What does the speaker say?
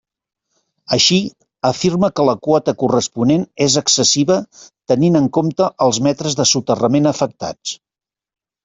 Així, afirma que la quota corresponent és excessiva tenint en compte els metres de soterrament afectats.